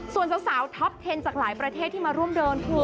ส่วนสาวท็อปเทนจากหลายประเทศที่มาร่วมเดินคือ